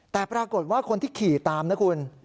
แต่ปรากฏว่าคนที่ขี่ตามนะคุณ